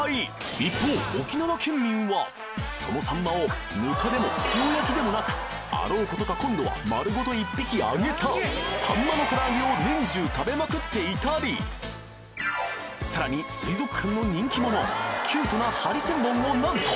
一方沖縄県民はそのサンマをぬかでも塩焼きでもなくあろうことか今度は丸ごと１匹揚げたサンマの唐揚げを年中食べまくっていたりさらに水族館の人気ものキュートなハリセンボンをなんと！